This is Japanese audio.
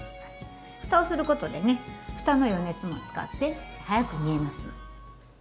ふたをすることでふたの余熱も使って早く煮えます。